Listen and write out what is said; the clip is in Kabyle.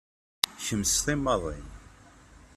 Kem s timmaḍ-im.